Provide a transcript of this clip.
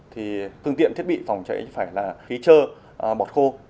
thì phương tiện thiết bị phòng cháy phải là khí trơ bọt khô